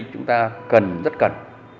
chúng ta cần rất cần